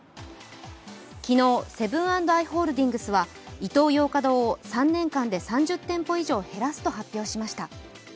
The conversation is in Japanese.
昨日、セブン＆アイ・ホールディングスはイトーヨーカドーを３年間で３０店舗以上減らすと発表しました。